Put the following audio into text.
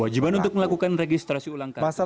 kewajiban untuk melakukan registrasi ulang kartu seluler